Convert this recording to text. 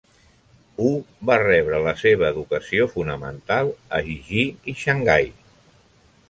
Hu va rebre la seva educació fonamental a Jixi i Xangai.